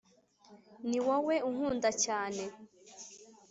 ni wowe unkunda cyane